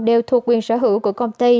đều thuộc quyền sở hữu của công ty